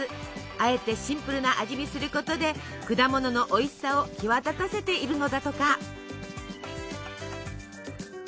あえてシンプルな味にすることで果物のおいしさを際立たせているのだとか。